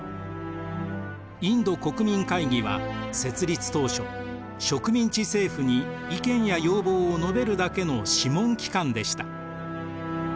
インド国民会議は設立当初植民地政府に意見や要望を述べるだけの諮問機関でした。